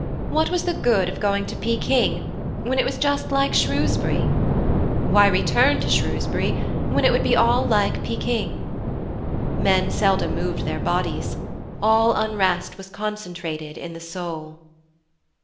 What was the good of going to Peking when it was just like Shrewsbury? Why return to Shrewsbury when it would all be like Peking? Men seldom moved their bodies; all unrest was concentrated in the soul.